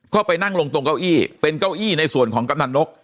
ก็ไปนั่งลงตรงเก้าอี้เป็นเก้าอี้ในส่วนของกำนันนก